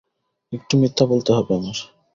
একটু মিথ্যা বলতে হবে আমার।